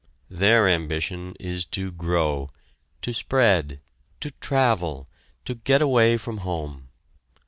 Their ambition is to grow to spread to travel to get away from home.